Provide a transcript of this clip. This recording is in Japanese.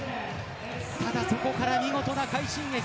ただ、そこから見事な快進撃。